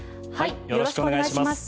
よろしくお願いします。